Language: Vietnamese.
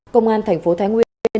công an thành phố thái nguyên